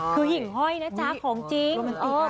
คือหิ่งห้อยนะจ๊ะของจริง